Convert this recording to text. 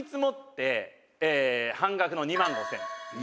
「半額の２万５０００円」